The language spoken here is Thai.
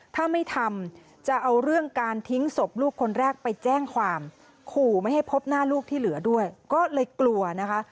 ถ้าไม่ทำจะเอาเรื่องการทิ้งศพลูกคนแรกไปแจ้งความขู่ไม่ให้พบหน้าลูกที่เหลือด้วยก็เลยกลัวนะคะ